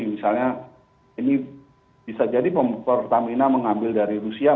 misalnya ini bisa jadi pertamina mengambil dari rusia